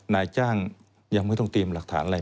นายจ้างยังไม่ต้องเตรียมหลักฐานอะไร